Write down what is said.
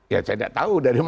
ya saya tidak tahu dari mana